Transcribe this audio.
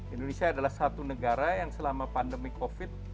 indonesia adalah satu negara yang selama pandemi covid